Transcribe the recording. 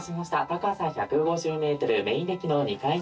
高さ１５０ｍメインデッキの２階に。